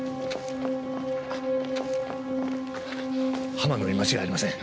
浜野に間違いありません。